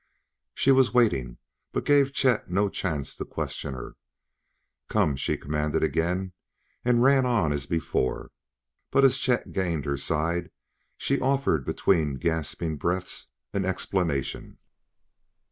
She was waiting, but gave Chet no chance to question her. "Come!" she commanded again, and ran on as before. But, as Chet gained her side, she offered between gasping breaths an explanation.